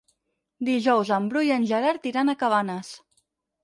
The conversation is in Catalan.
Dijous en Bru i en Gerard iran a Cabanes.